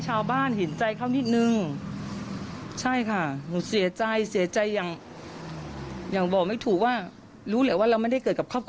ฟังเสียงน้องสาวนะคะ